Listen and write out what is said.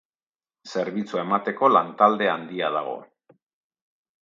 Zerbitzua emateko lan talde handia dago.